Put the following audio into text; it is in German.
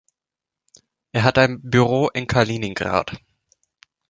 Er hat ein Büro in Kaliningrad.